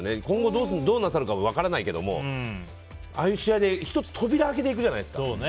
今後どうなさるか分からないけどもああいう試合で１つ扉開けていくじゃないですか。